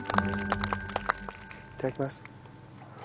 いただきます。